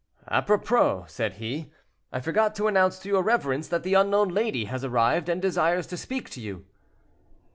"Apropos," said he, "I forgot to announce to your reverence that the unknown lady has arrived and desires to speak to you."